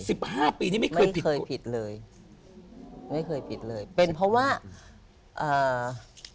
สิบห้าปีนี้ไม่เคยผิดเคยผิดเลยไม่เคยผิดเลยเป็นเพราะว่าอ่า